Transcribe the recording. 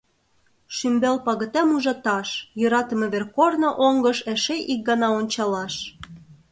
Шӱмбел пагытем ужаташ, Йӧратыме вер-корно оҥгыш Эше ик гана ончалаш.